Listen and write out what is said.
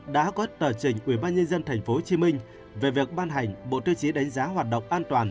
đã có tờ trình ubnd tp hcm về việc ban hành bộ tiêu chí đánh giá hoạt động an toàn